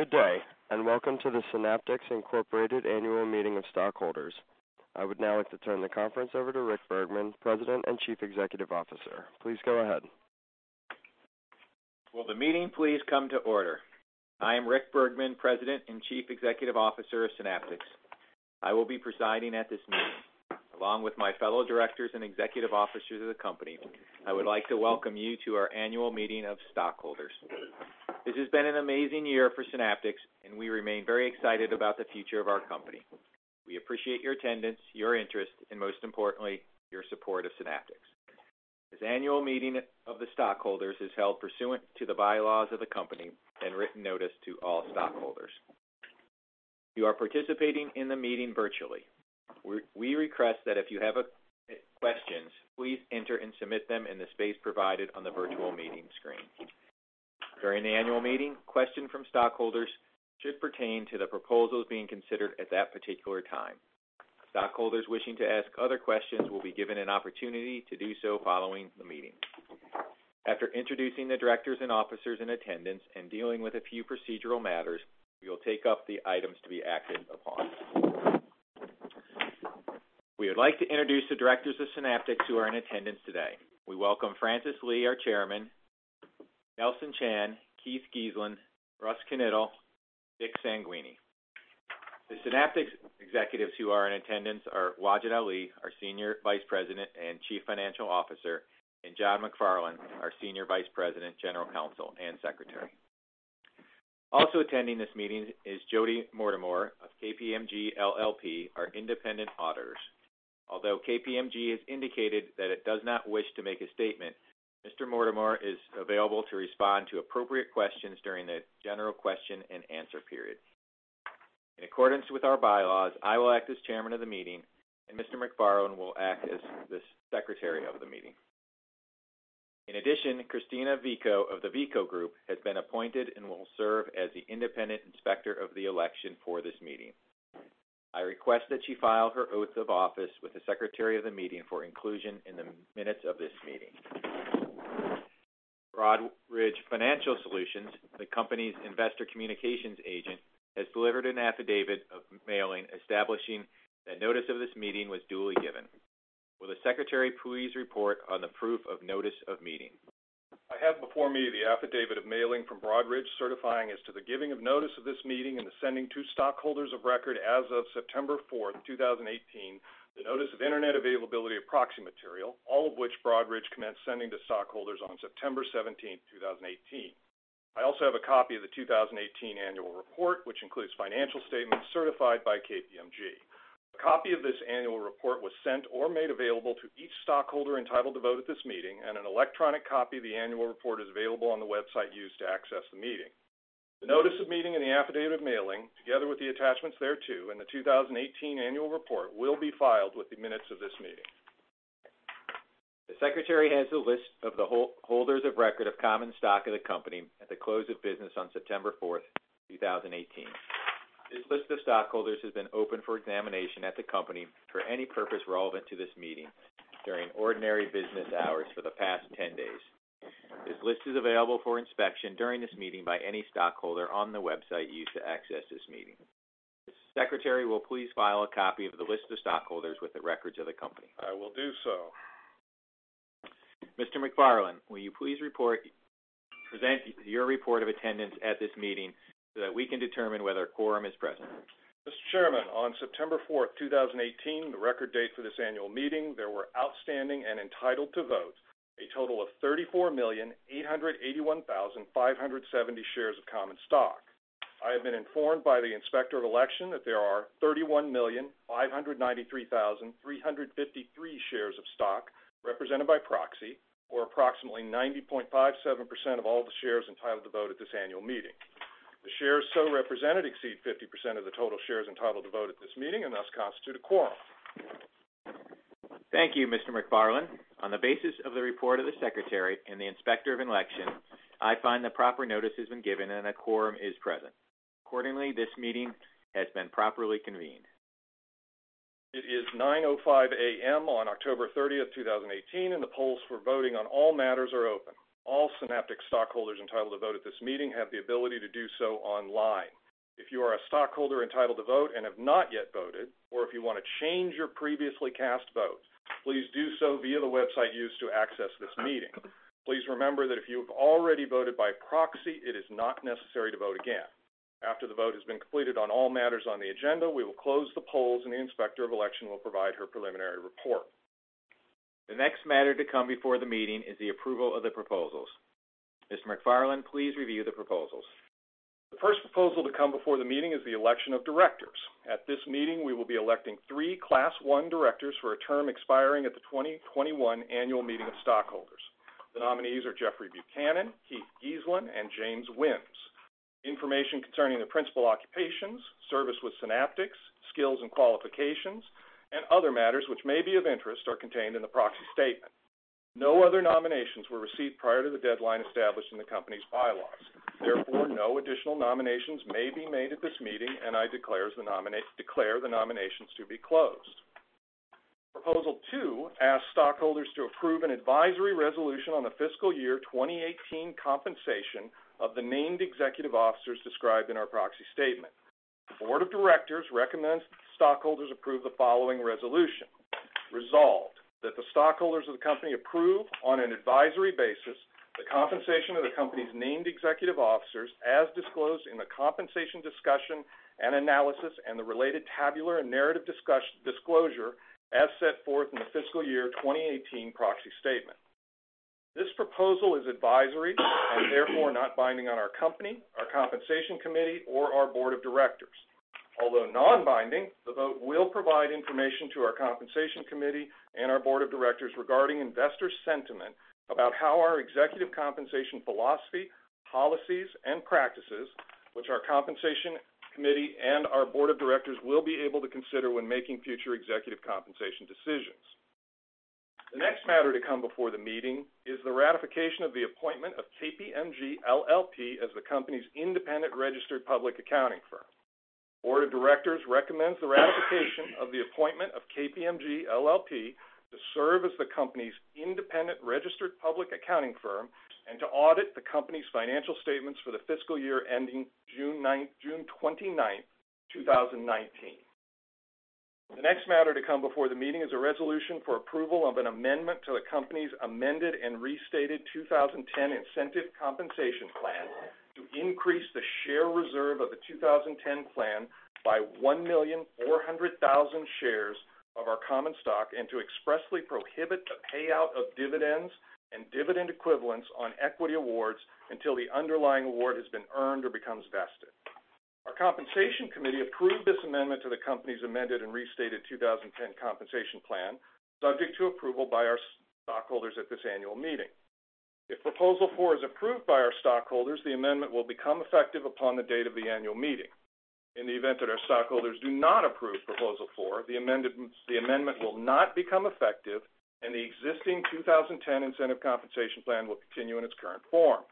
Good day, and welcome to the Synaptics Incorporated annual meeting of stockholders. I would now like to turn the conference over to Rick Bergman, President and Chief Executive Officer. Please go ahead. Will the meeting please come to order? I am Rick Bergman, President and Chief Executive Officer of Synaptics. I will be presiding at this meeting. Along with my fellow directors and executive officers of the company, I would like to welcome you to our annual meeting of stockholders. This has been an amazing year for Synaptics. We remain very excited about the future of our company. We appreciate your attendance, your interest, most importantly, your support of Synaptics. This annual meeting of the stockholders is held pursuant to the bylaws of the company and written notice to all stockholders. You are participating in the meeting virtually. We request that if you have questions, please enter and submit them in the space provided on the virtual meeting screen. During the annual meeting, questions from stockholders should pertain to the proposals being considered at that particular time. Stockholders wishing to ask other questions will be given an opportunity to do so following the meeting. After introducing the directors and officers in attendance and dealing with a few procedural matters, we will take up the items to be acted upon. We would like to introduce the directors of Synaptics who are in attendance today. We welcome Francis Lee, our chairman, Nelson Chan, Keith Geeslin, Russ Knittel, Dick Sanquini. The Synaptics executives who are in attendance are Wajid Ali, our Senior Vice President and Chief Financial Officer, John McFarland, our Senior Vice President, General Counsel, and Secretary. Also attending this meeting is Jody Mortimore of KPMG LLP, our independent auditors. Although KPMG has indicated that it does not wish to make a statement, Mr. Mortimore is available to respond to appropriate questions during the general question and answer period. In accordance with our bylaws, I will act as chairman of the meeting. Mr. McFarland will act as the secretary of the meeting. In addition, Christina Vico of the Veeco Group has been appointed and will serve as the independent inspector of the election for this meeting. I request that she file her oaths of office with the secretary of the meeting for inclusion in the minutes of this meeting. Broadridge Financial Solutions, the company's investor communications agent, has delivered an affidavit of mailing establishing that notice of this meeting was duly given. Will the secretary please report on the proof of notice of meeting? I have before me the affidavit of mailing from Broadridge certifying as to the giving of notice of this meeting and the sending to stockholders of record as of September 4, 2018, the notice of Internet availability of proxy material, all of which Broadridge commenced sending to stockholders on September 17, 2018. I also have a copy of the 2018 annual report, which includes financial statements certified by KPMG. A copy of this annual report was sent or made available to each stockholder entitled to vote at this meeting, and an electronic copy of the annual report is available on the website used to access the meeting. The notice of meeting and the affidavit of mailing, together with the attachments thereto, and the 2018 annual report will be filed with the minutes of this meeting. The secretary has a list of the holders of record of common stock of the company at the close of business on September 4, 2018. This list of stockholders has been open for examination at the company for any purpose relevant to this meeting during ordinary business hours for the past 10 days. This list is available for inspection during this meeting by any stockholder on the website used to access this meeting. The secretary will please file a copy of the list of stockholders with the records of the company. I will do so. Mr. McFarland, will you please present your report of attendance at this meeting so that we can determine whether a quorum is present? Mr. Chairman, on September fourth, 2018, the record date for this annual meeting, there were outstanding and entitled to vote a total of 34,881,570 shares of common stock. I have been informed by the Inspector of Election that there are 31,593,353 shares of stock represented by proxy, or approximately 90.57% of all the shares entitled to vote at this annual meeting. The shares so represented exceed 50% of the total shares entitled to vote at this meeting and thus constitute a quorum. Thank you, Mr. McFarland. On the basis of the report of the Secretary and the Inspector of Election, I find that proper notice has been given and a quorum is present. Accordingly, this meeting has been properly convened. It is 9:05 A.M. on October thirtieth, 2018, and the polls for voting on all matters are open. All Synaptics stockholders entitled to vote at this meeting have the ability to do so online. If you are a stockholder entitled to vote and have not yet voted, or if you want to change your previously cast vote, please do so via the website used to access this meeting. Please remember that if you have already voted by proxy, it is not necessary to vote again. After the vote has been completed on all matters on the agenda, we will close the polls, and the Inspector of Election will provide her preliminary report. The next matter to come before the meeting is the approval of the proposals. Mr. McFarlane, please review the proposals. The first proposal to come before the meeting is the election of directors. At this meeting, we will be electing three class one directors for a term expiring at the 2021 annual meeting of stockholders. The nominees are Jeffrey Buchanan, Keith Geeslin, and James Whims. Information concerning their principal occupations, service with Synaptics, skills and qualifications, and other matters which may be of interest are contained in the proxy statement. No other nominations were received prior to the deadline established in the company's bylaws. Therefore, no additional nominations may be made at this meeting, and I declare the nominations to be closed. Proposal two asks stockholders to approve an advisory resolution on the fiscal year 2018 compensation of the named executive officers described in our proxy statement. The board of directors recommends stockholders approve the following resolution. Resolved, that the stockholders of the company approve, on an advisory basis, the compensation of the company's named executive officers as disclosed in the compensation discussion and analysis and the related tabular and narrative disclosure as set forth in the fiscal year 2018 proxy statement. This proposal is advisory and therefore not binding on our company, our compensation committee, or our board of directors. Although non-binding, the vote will provide information to our compensation committee and our board of directors regarding investor sentiment about how our executive compensation philosophy, policies, and practices, which our compensation committee and our board of directors will be able to consider when making future executive compensation decisions. The next matter to come before the meeting is the ratification of the appointment of KPMG LLP as the company's independent registered public accounting firm. Board of directors recommends the ratification of the appointment of KPMG LLP to serve as the company's independent registered public accounting firm and to audit the company's financial statements for the fiscal year ending June 29th, 2019. The next matter to come before the meeting is a resolution for approval of an amendment to the company's Amended and Restated 2010 Incentive Compensation Plan to increase the share reserve of the 2010 Plan by 1,400,000 shares of our common stock, and to expressly prohibit the payout of dividends and dividend equivalents on equity awards until the underlying award has been earned or becomes vested. Our compensation committee approved this amendment to the company's Amended and Restated 2010 Compensation Plan, subject to approval by our stockholders at this annual meeting. If Proposal 4 is approved by our stockholders, the amendment will become effective upon the date of the annual meeting. In the event that our stockholders do not approve Proposal 4, the amendment will not become effective and the existing 2010 Incentive Compensation Plan will continue in its current form.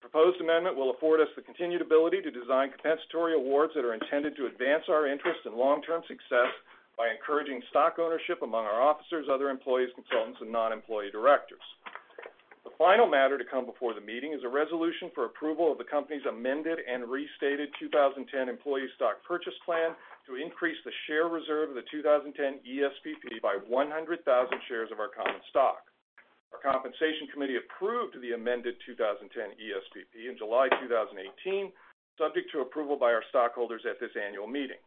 Proposed amendment will afford us the continued ability to design compensatory awards that are intended to advance our interest in long-term success by encouraging stock ownership among our officers, other employees, consultants, and non-employee directors. The final matter to come before the meeting is a resolution for approval of the company's Amended and Restated 2010 Employee Stock Purchase Plan to increase the share reserve of the 2010 ESPP by 100,000 shares of our common stock. Our compensation committee approved the amended 2010 ESPP in July 2018, subject to approval by our stockholders at this annual meeting.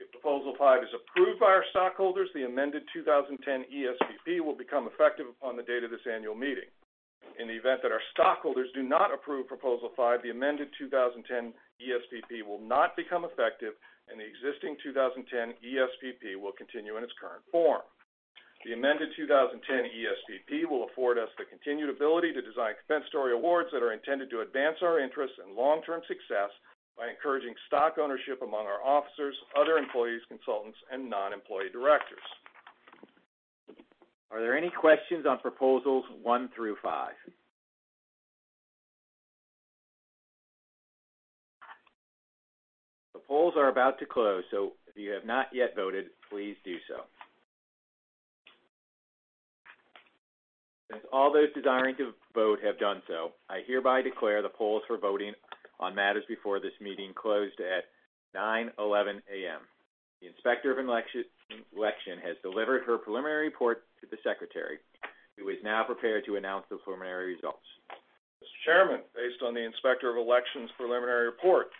If Proposal 5 is approved by our stockholders, the amended 2010 ESPP will become effective upon the date of this annual meeting. In the event that our stockholders do not approve Proposal five, the amended 2010 ESPP will not become effective and the existing 2010 ESPP will continue in its current form. The amended 2010 ESPP will afford us the continued ability to design compensatory awards that are intended to advance our interests in long-term success by encouraging stock ownership among our officers, other employees, consultants, and non-employee directors. Are there any questions on Proposals one through five? The polls are about to close. If you have not yet voted, please do so. Since all those desiring to vote have done so, I hereby declare the polls for voting on matters before this meeting closed at 9:11 A.M. The Inspector of Election has delivered her preliminary report to the secretary, who is now prepared to announce the preliminary results. Mr. Chairman, based on the Inspector of Election's preliminary report,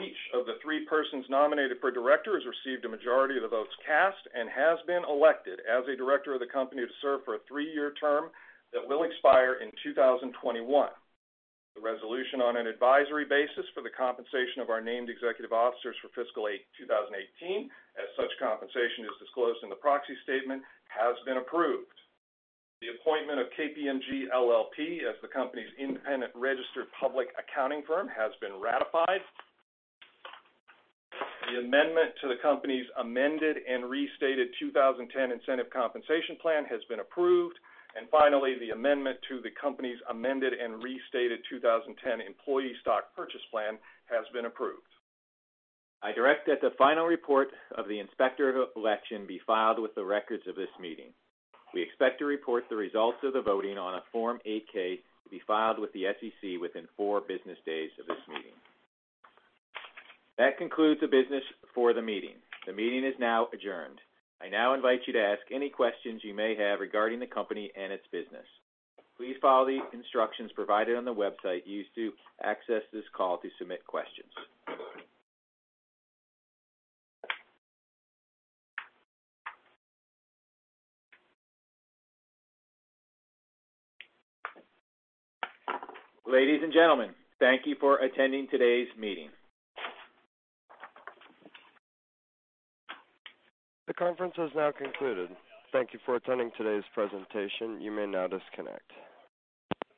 each of the three persons nominated for director has received a majority of the votes cast and has been elected as a director of the company to serve for a three-year term that will expire in 2021. The resolution on an advisory basis for the compensation of our named executive officers for fiscal 2018, as such compensation is disclosed in the proxy statement, has been approved. The appointment of KPMG LLP as the company's independent registered public accounting firm has been ratified. The amendment to the company's Amended and Restated 2010 Incentive Compensation Plan has been approved. Finally, the amendment to the company's Amended and Restated 2010 Employee Stock Purchase Plan has been approved. I direct that the final report of the Inspector of Election be filed with the records of this meeting. We expect to report the results of the voting on a Form 8-K to be filed with the SEC within four business days of this meeting. That concludes the business for the meeting. The meeting is now adjourned. I now invite you to ask any questions you may have regarding the company and its business. Please follow the instructions provided on the website used to access this call to submit questions. Ladies and gentlemen, thank you for attending today's meeting. The conference has now concluded. Thank you for attending today's presentation. You may now disconnect.